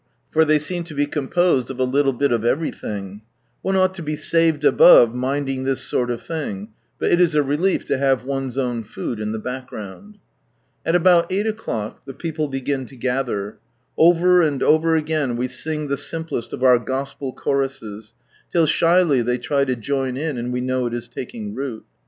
for ihey si bit of everything. One ought to be "saved above' it is a relief to have one's own food in the background. At about eight o'clock the people begin to gather. Over and over again we sing the simplest of our Gospel choruses, till shyly they try to join in, and we know it is taking root.